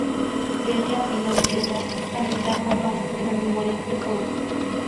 Ver la Pila de Piedra es conectar con parte de la memoria del pueblo.